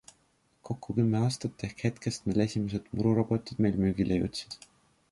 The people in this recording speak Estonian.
Kokku kümme aastat ehk hetkest, mil esimesed mururobotid meil müügile jõudsid.